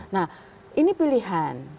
nah ini pilihan